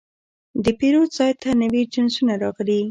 د پیرود ځای ته نوي جنسونه راغلي.